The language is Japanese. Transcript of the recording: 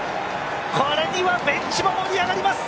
これにはベンチも盛り上がります。